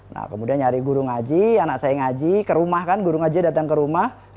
nah kemudian nyari guru ngaji anak saya ngaji ke rumah kan guru ngaji datang ke rumah